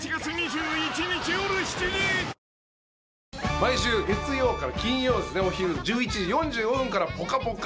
毎週月曜から金曜お昼１１時４５分から『ぽかぽか』